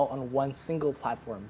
kami memiliki semua ini dalam satu platform